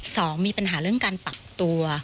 สองมีปัญหาเรื่องการปรับตัว